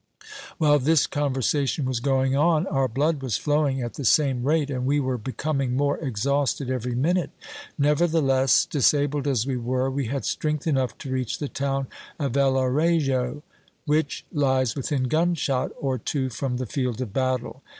While this conversation was going on, our blood was flowing at the same rate, and we were becoming more exhausted every minute. Nevertheless, dis abled as we were, we had strength enough to reach the town of Villarejo, which lies within gun shot or two from the field of battle.